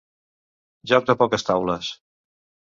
Joc de poques taules.